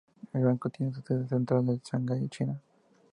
El banco tiene su sede central en Shanghái, China.